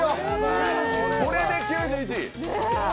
これで９１。